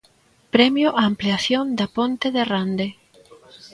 Premio á ampliación da ponte de Rande.